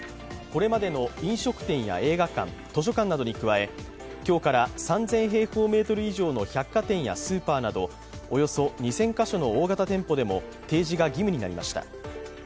これまでの飲食店や映画館図書館などに加え今日から３０００平方メートル以上の百貨店やスーパーなどおよそ２０００カ所の大型店舗でも提示が義務になりました。